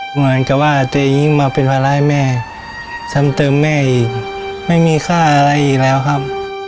เหมือนกับว่าตัวเองยิ่งมาเป็นภาระแม่ซ้ำเติมแม่อีกไม่มีค่าอะไรอีกแล้วครับ